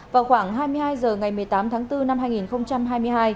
vào khoảng hai mươi hai h ngày một mươi tám tháng bốn năm hai nghìn hai mươi hai